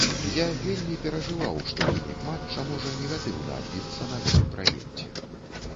Я вельмі перажываў, што вынік матча можа негатыўна адбіцца на гэтым праекце.